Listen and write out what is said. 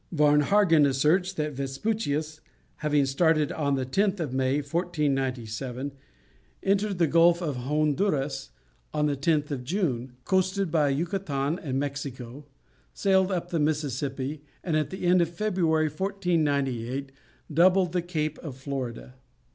Varnhagen asserts that Vespucius, having started on the 10th of May, 1497, entered the Gulf of Honduras on the 10th of June, coasted by Yucatan and Mexico, sailed up the Mississippi, and at the end of February, 1498, doubled the Cape of Florida.